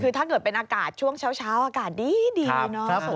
คือถ้าเกิดเป็นอากาศช่วงเช้าอากาศดีเนาะ